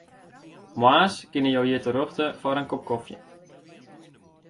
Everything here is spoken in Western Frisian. Moarns kinne jo hjir terjochte foar in kop kofje.